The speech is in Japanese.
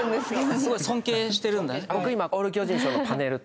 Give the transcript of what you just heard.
すごい尊敬してるんだね